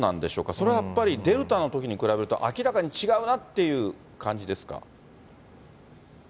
それはやっぱり、デルタのときに比べると、明らかに違うなっていう感じですか？